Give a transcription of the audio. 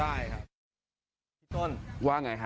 พี่ต้นว่าไงฮะ